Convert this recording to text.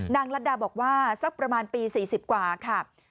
ลัดดาบอกว่าสักประมาณปี๔๐กว่าค่ะ